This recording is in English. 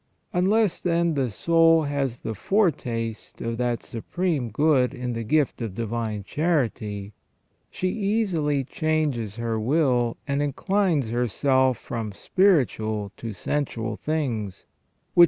Unless, then, the soul has the foretaste of that Supreme Good in the gift of divine charity, she easily changes her will and inclines herself from spiritual to sensual things, which i8o ON EVIL AND THE ORIGIN OF EVIL.